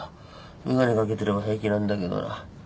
眼鏡掛けてれば平気なんだけどな。